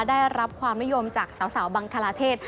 ได้รับความนิยมจากสาวบังคลาเทศ